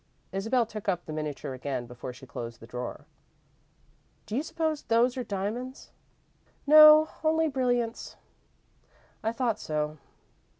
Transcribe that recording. Isabel took up the miniature again before she closed the drawer. "Do you suppose those are diamonds?" "No; only brilliants." "I thought so.